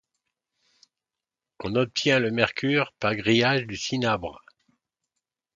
On obtient le mercure par grillage du cinabre.